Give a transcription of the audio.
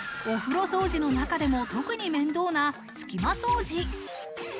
お風呂掃除の中でも特に面倒な隙間掃除。